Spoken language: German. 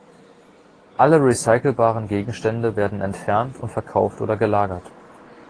Alle recycelbaren Gegenstände werden entfernt und verkauft oder gelagert.